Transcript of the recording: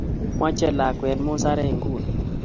Mache lakwet musarek nguni